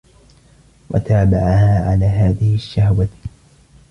وَتَابَعَهَا عَلَى هَذِهِ الشَّهْوَةِ